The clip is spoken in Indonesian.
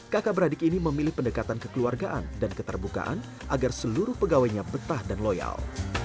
kakak beradik ini memilih pendekatan kekeluargaan dan keterbukaan agar seluruh pegawainya betah dan loyal